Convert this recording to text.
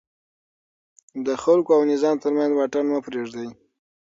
د خلکو او نظام ترمنځ واټن مه پرېږدئ.